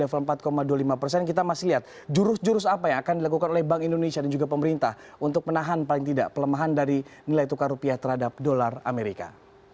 jadi kita masih lihat jurus jurus apa yang akan dilakukan oleh bank indonesia dan juga pemerintah untuk menahan paling tidak pelemahan dari nilai tukar rupiah terhadap dolar amerika